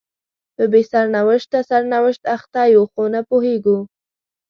په بې سرنوشته سرنوشت اخته یو خو نه پوهیږو